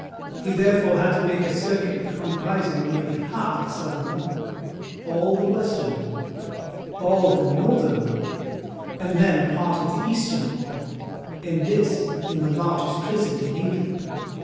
He therefore had to make a circuit comprising nearly half the southern wall—all the western wall—all the northern wall—and then a part of the eastern wall;—and this in the largest prison in England!